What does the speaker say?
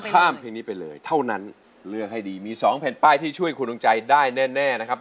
ข้ามเพลงนี้ไปเลยเท่านั้นเลือกให้ดีมีสองแผ่นป้ายที่ช่วยคุณดวงใจได้แน่นะครับ